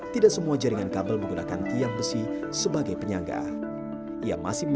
tidak semua jaringan kabel menggunakan tiang besi sebagai penyangga